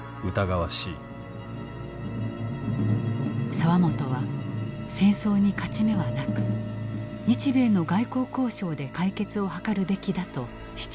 澤本は戦争に勝ち目はなく日米の外交交渉で解決を図るべきだと主張した。